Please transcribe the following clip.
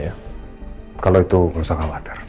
ya kalau itu nggak usah khawatir